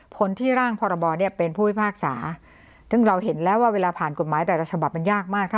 ผลที่ร่างพรบเนี่ยเป็นผู้พิพากษาซึ่งเราเห็นแล้วว่าเวลาผ่านกฎหมายแต่ละฉบับมันยากมากค่ะ